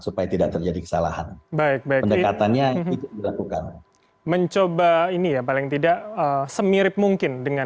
supaya tidak terjadi kesalahan baik baiknya katanya mencoba ini ya paling tidak semirip mungkin dengan